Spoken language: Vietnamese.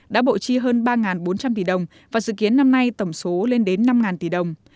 đã bộ chi hơn ba bốn trăm linh tỷ đồng và dự kiến năm nay tổng số lên đến năm tỷ đồng